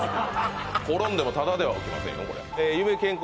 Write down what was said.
転んでもただでは起きませんよ